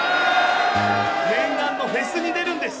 念願のフェスに出るんです！